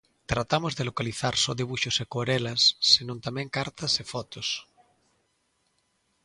Tratamos de localizar só debuxos e acuarelas senón tamén cartas e fotos.